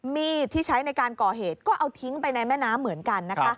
มีดที่ใช้ในการก่อเหตุก็เอาทิ้งไปในแม่น้ำเหมือนกันนะคะ